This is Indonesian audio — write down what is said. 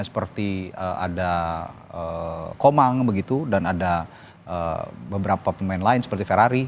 seperti ada komang begitu dan ada beberapa pemain lain seperti ferrari